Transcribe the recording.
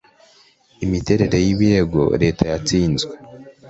imiterere y ibirego leta yatsinzwe